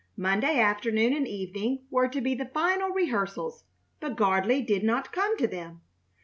Monday afternoon and evening were to be the final rehearsals, but Gardley did not come to them.